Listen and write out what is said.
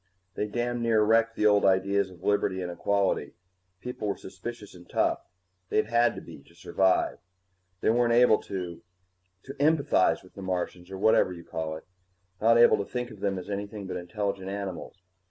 They damned near wrecked the old ideas of liberty and equality. People were suspicious and tough they'd had to be, to survive. They weren't able to to empathize the Martians, or whatever you call it. Not able to think of them as anything but intelligent animals.